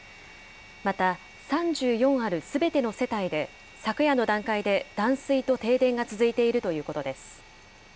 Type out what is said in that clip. また、３４あるすべての世帯で、昨夜の段階で断水と停電が続いているということです。